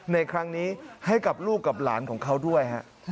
ในครั้งนี้ให้กับลูกกับหลานของเขาด้วยฮะ